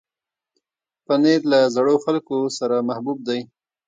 پنېر له زړو خلکو سره محبوب دی.